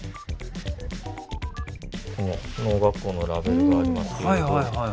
この農学校のラベルがありますけれど。